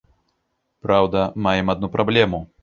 Праўда, маем адну праблему.